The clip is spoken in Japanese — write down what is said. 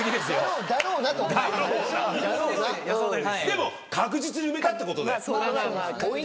でも確実に埋めたってことで。